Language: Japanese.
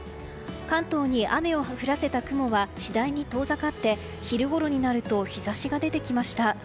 関東に雨を降らせた雲は次第に遠ざかって昼ごろになると日差しが出てきました。